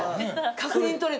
確認取れた。